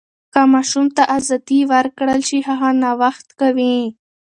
که ماشوم ته ازادي ورکړل شي، هغه نوښت کوي.